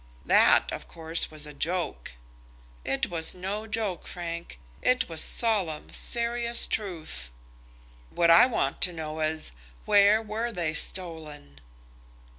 "That, of course, was a joke." "It was no joke, Frank. It was solemn, serious truth." "What I want to know is, where were they stolen?"